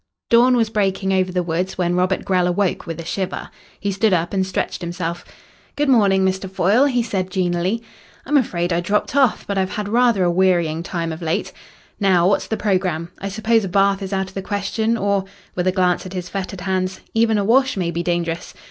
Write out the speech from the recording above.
Dawn was breaking over the woods when Robert Grell woke with a shiver. He stood up and stretched himself. "Good morning, Mr. Foyle," he said genially. "I'm afraid I dropped off, but I've had rather a wearying time lately. Now, what's the programme? I suppose a bath is out of the question, or" with a glance at his fettered hands "even a wash may be dangerous.